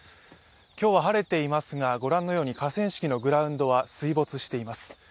今日は晴れていますがご覧のように河川敷のグラウンドは水没しています。